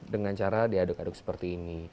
dengan cara diaduk aduk seperti ini